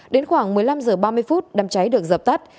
đến khoảng một mươi năm h ba mươi phút đám cháy được dập tắt